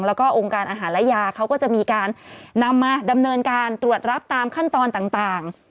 แล้วก็องค์การอาหารและยาเขาก็จะมีการนำมาดำเนินการตรวจรับตามขั้นตอนต่าง